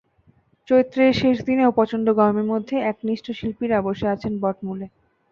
চৈত্রের শেষ দিনে প্রচণ্ড গরমের মধ্যে একনিষ্ঠ শিল্পীরা বসে আছেন বটমূলে।